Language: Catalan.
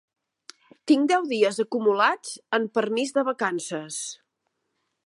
Tinc deu dies acumulats en permís de vacances.